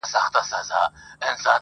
جهاني د قلم ژبه دي ګونګۍ که!